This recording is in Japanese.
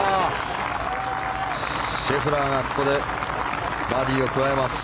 シェフラーがここでバーディーを加えます。